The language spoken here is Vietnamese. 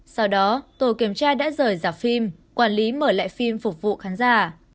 sau đó tổ kiểm tra đã rời dạp phim quản lý mở lại phim phục vụ khán giả